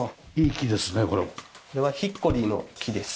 これはヒッコリーの木です。